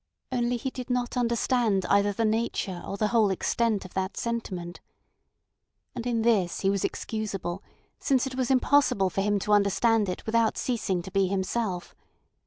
Only he did not understand either the nature or the whole extent of that sentiment. And in this he was excusable, since it was impossible for him to understand it without ceasing to be himself.